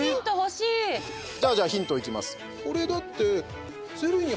じゃあヒントいきます。